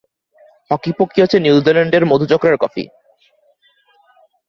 Hockey pokey হচ্ছে নিউজিল্যান্ডের মধুচক্রের কফি।